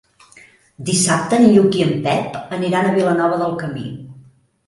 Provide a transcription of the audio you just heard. Dissabte en Lluc i en Pep aniran a Vilanova del Camí.